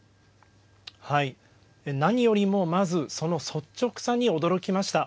何よりもまずその率直さに驚きました。